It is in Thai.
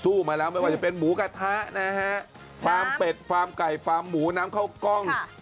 สู่มาแล้วไปว่าจะเป็นหมูกาฏ้นะฮะฝ่าเป็ดบังไพรหมูน้ำข้าวกล้อง